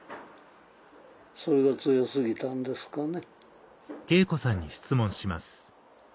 それが強過ぎたんですかね。